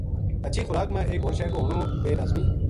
ہچھی خوراک ما ایک ہور شے کو ہونو بے لازمی